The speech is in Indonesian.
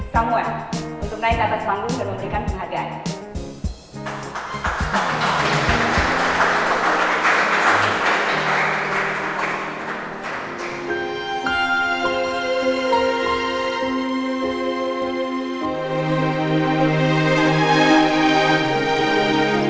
tua samuel untuk naik ke atas panggung dan memberikan penghargaan